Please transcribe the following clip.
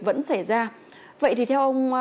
vẫn xảy ra vậy thì theo ông